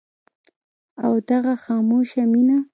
او دغه خاموشه مينه